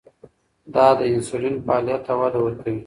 دا د انسولین فعالیت ته وده ورکوي.